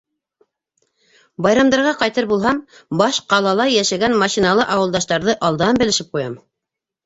Байрамдарға ҡайтыр булһам, баш ҡалала йәшәгән машиналы ауылдаштарҙы алдан белешеп ҡуям.